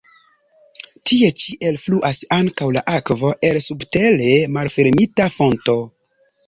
Tie ĉi elfluas ankaŭ la akvo el subtere malfermita fonto.